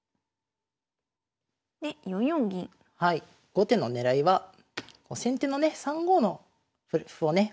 後手の狙いは先手のね３五の歩をね